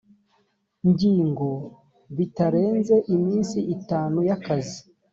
ngingo bitarenze iminsi itanu y akazi